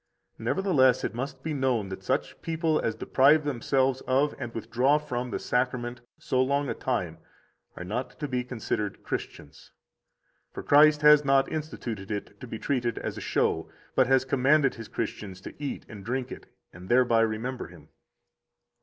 Nevertheless, it must be known that such people as deprive themselves of, and withdraw from, the Sacrament so long a time are not to be considered Christians. For Christ has not instituted it to be treated as a show, but has commanded His Christians to eat and drink it, and thereby remember Him.